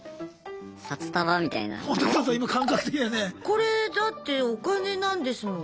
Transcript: これだってお金なんですもの。